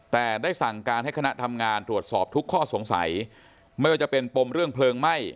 แต่ได้สั่งการให้คณะทำงานตรวจสอบทุกข้อสงสัยไม่ว่าจะเป็นปมเรื่องเพลิงไหม้